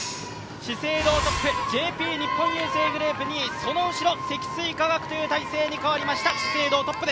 資生堂トップ、ＪＰ日本郵政グループ２位、その後ろ、積水化学という態勢に変わりました。